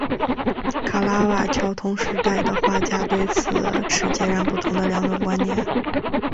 卡拉瓦乔同时代的画家对此持截然不同的两种观点。